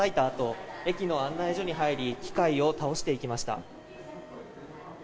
あと駅の案内所に入り機械を倒していきました。